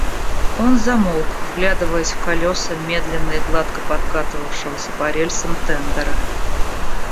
Он замолк, вглядываясь в колеса медленно и гладко подкатывавшегося по рельсам тендера.